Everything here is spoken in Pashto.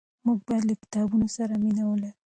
موږ باید له کتابونو سره مینه ولرو.